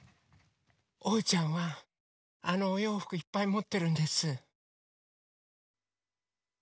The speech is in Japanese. おうちゃんはあのおようふくいっぱいもってるんです。